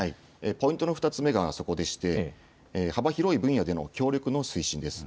ポイントの２つ目がそこでして幅広い分野での協力の推進です。